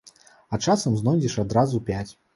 А часам знойдзеш адразу пяць!